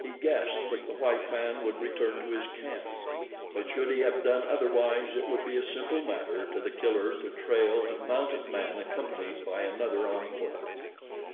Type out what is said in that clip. He guessed that the white man would return to his camp; but should he have done otherwise it would be a simple matter to The Killer to trail a mounted man accompanied by another on foot.